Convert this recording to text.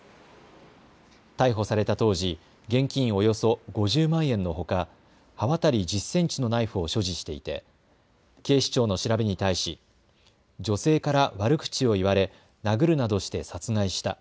逮捕された当時、現金およそ５０万円のほか刃渡り１０センチのナイフを所持していて警視庁の調べに対し女性から悪口を言われ殴るなどして殺害した。